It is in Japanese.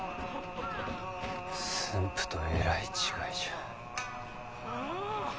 駿府とえらい違いじゃ。